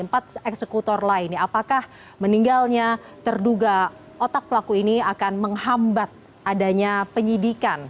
empat eksekutor lainnya apakah meninggalnya terduga otak pelaku ini akan menghambat adanya penyidikan